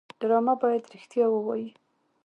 ډرامه باید رښتیا ووايي